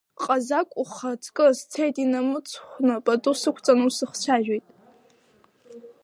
Ҟазахә ухаҵкы сцеит, инамыцхәны пату сықәҵаны усыхцәажәеит.